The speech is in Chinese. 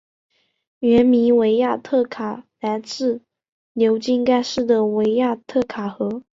原名维亚特卡来自流经该市的维亚特卡河。